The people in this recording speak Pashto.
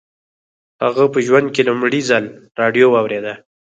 هغه په ژوند کې لومړي ځل راډيو واورېده.